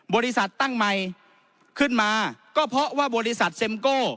บริษัทตั้งใหม่ขึ้นมาก็เพราะว่าบริษัทเซ็มโก้